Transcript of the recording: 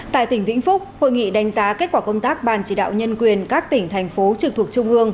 tại tỉnh vĩnh phúc hội nghị đánh giá kết quả công tác ban chỉ đạo nhân quyền các tỉnh thành phố trực thuộc trung ương